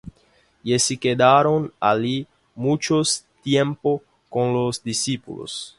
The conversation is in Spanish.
Y se quedaron allí mucho tiempo con los discípulos.